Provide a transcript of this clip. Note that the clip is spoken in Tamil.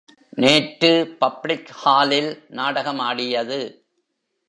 நேற்று பப்ளிக் ஹாலில் நாடகமாடியது?